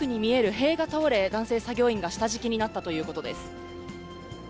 塀が倒れ、男性作業員が下敷きになったということです。